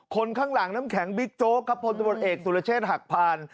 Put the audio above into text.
ข้างหลังน้ำแข็งบิ๊กโจ๊กครับพลตำรวจเอกสุรเชษฐ์หักพาน